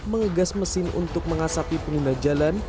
mengegas mesin untuk mengasapi pengguna jalan